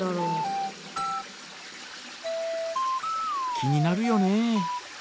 気になるよね。